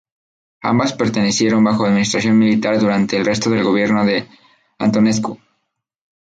Ambas permanecieron bajo administración militar durante el resto del gobierno de Antonescu.